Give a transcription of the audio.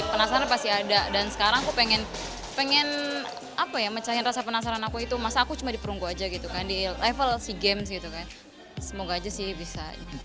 penasaran pasti ada dan sekarang aku pengen mecahin rasa penasaran aku itu masa aku cuma di perunggu aja gitu kan di level sea games gitu kan semoga aja sih bisa